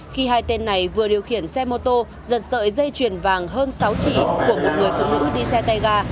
khi hai tên này vừa điều khiển xe mô tô giật sợi dây chuyền vàng hơn sáu chỉ của một người phụ nữ đi xe tay ga